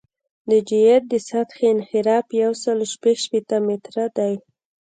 د جیوئید د سطحې انحراف یو سل شپږ شپېته متره دی